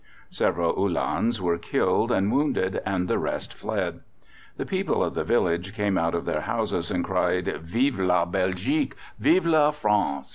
Several Uhlans were killed and wounded, and the rest fled. The people of the village came out of their houses and cried: "Vive la Belgique!" "Vive la France!"